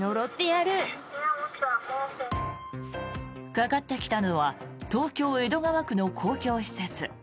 かかってきたのは東京・江戸川区の公共施設